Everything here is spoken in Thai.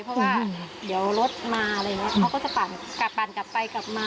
เพราะว่าเดี๋ยวรถมาอะไรอย่างนี้เขาก็จะปั่นกลับปั่นกลับไปกลับมา